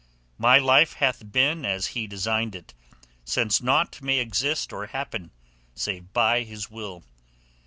"My life hath been as He designed it, since naught may exist or happen save by His Will.